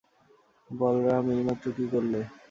বলরাম, এইমাত্র কী করলে?